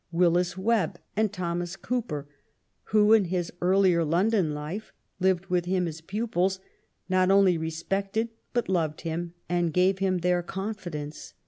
Willis Webb and Thomas Cooper, who, in his earlier London life, lived with him as pupils, not only re spected, but loved him, and gave him their confidence.